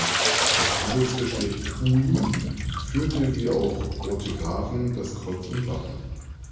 Das Adelsgeschlecht Huyn führte wie auch Othegraven das Kreuz im Wappen.